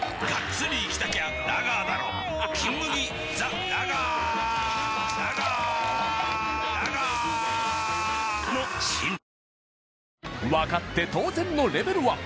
ラガーー−！の新分かって当然のレベル